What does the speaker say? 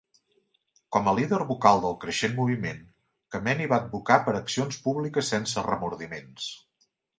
Com a líder vocal del creixent moviment, Kameny va advocar per accions públiques sense remordiments.